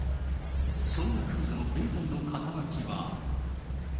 そんな彼女の現在の肩書は。